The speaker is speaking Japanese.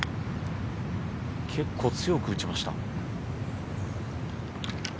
結構強く打ちました。